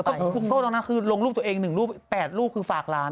โทษตรงนั้นคือลงรูปตัวเอง๑รูป๘รูปคือฝากร้าน